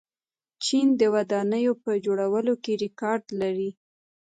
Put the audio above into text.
چین د ودانیو په جوړولو کې ریکارډ لري.